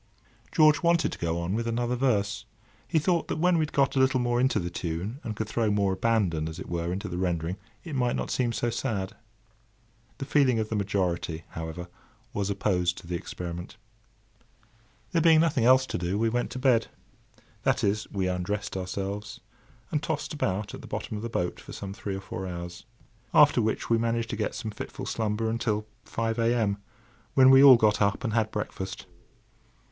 George wanted to go on with another verse. He thought that when he had got a little more into the tune, and could throw more "abandon," as it were, into the rendering, it might not seem so sad. The feeling of the majority, however, was opposed to the experiment. There being nothing else to do, we went to bed—that is, we undressed ourselves, and tossed about at the bottom of the boat for some three or four hours. After which, we managed to get some fitful slumber until five a.m., when we all got up and had breakfast.